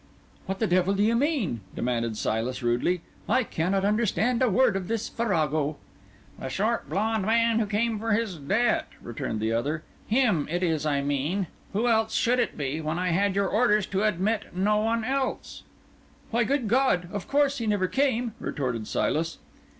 "What the devil do you mean?" demanded Silas rudely. "I cannot understand a word of this farrago." "The short blond young man who came for his debt," returned the other. "Him it is I mean. Who else should it be, when I had your orders to admit no one else?" "Why, good God, of course he never came," retorted Silas.